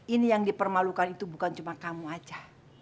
ini yang dipermalukan itu bukan cuma kamu aja